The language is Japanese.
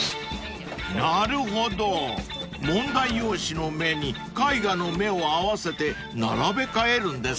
［なるほど問題用紙の目に絵画の目を合わせて並べ替えるんですね］